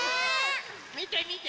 みてみて！